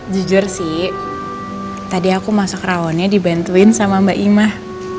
jujur sih tadi aku masuk rawonnya dibantuin sama mbak imah